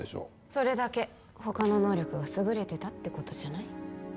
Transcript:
それだけ他の能力が優れてたってことじゃない？